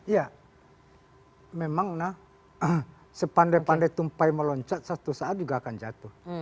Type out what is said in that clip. ya memang nak sepandai pandai tumpai meloncat satu saat juga akan jatuh